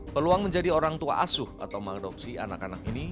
peluang menjadi orang tua asuh atau mengadopsi anak anak ini